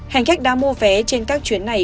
hành khách đã mua vé trên các chuyến này